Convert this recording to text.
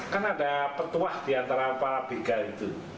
kan ada petuah diantara para bigal itu